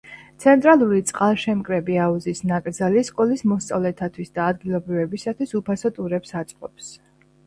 ცენტრალური წყალშემკრები აუზის ნაკრძალი სკოლის მოსწავლეთათვის და ადგილობრივებისთვის უფასო ტურებს აწყობს.